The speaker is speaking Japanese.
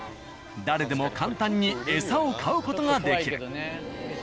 誰でも簡単にエサを買う事ができる。